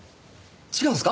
違うんすか？